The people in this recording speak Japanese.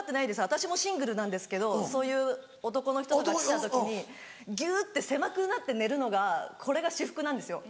私もシングルなんですけどそういう男の人が来た時にギュって狭くなって寝るのがこれが至福なんですよ。